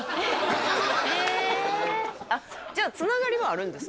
じゃあつながりはあるんですね？